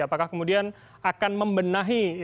apakah kemudian akan membenahi